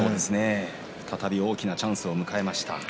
再び大きなチャンスを迎えました。